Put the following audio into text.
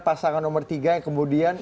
pasangan nomor tiga yang kemudian